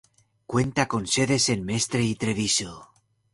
Cuenta con sedes en Mestre y Treviso.